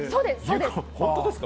本当ですか？